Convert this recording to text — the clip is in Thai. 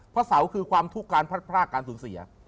เสาคือความทุกข์การพลัดพรากการสูญเสีย